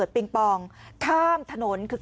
กลุ่มหนึ่งก็คือ